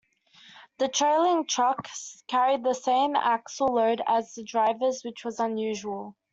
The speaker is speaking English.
The trailing truck carried the same axle load as the drivers, which was unusual.